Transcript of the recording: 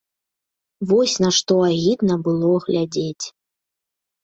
Вось на што агідна было глядзець.